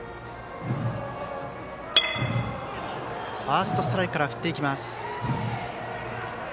ファーストストライクから振っていきます。